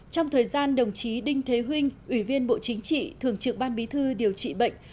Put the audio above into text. trong thời gian đồng chí đinh thế vinh ủy viên bộ chính trị thường trực ban bí thư điều trị bệnh